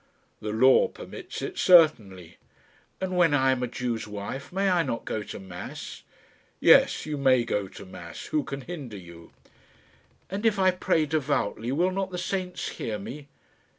"The law permits it, certainly." "And when I am a Jew's wife, may I not go to mass?" "Yes; you may go to mass. Who can hinder you?" "And if I pray devoutly, will not the saints hear me?"